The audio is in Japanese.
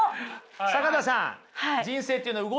坂田さん